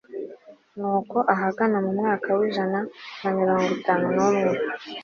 nuko ahagana mu mwaka w'ijana na mirongo itanu n'umwe